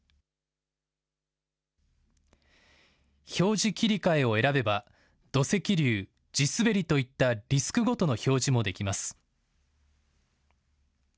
表示切り替えを選べば土石流、地滑りといったリスクごとの表示もできます。